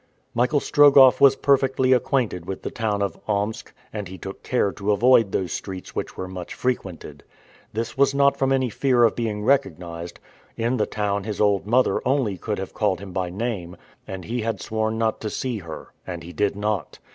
Michael Strogoff was perfectly acquainted with the town of Omsk, and he took care to avoid those streets which were much frequented. This was not from any fear of being recognized. In the town his old mother only could have called him by name, but he had sworn not to see her, and he did not.